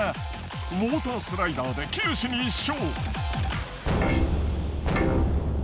ウォータースライダーで九死に一生！